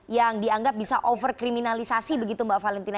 yang dianggap bisa overkriminalisasi begitu mbak valentina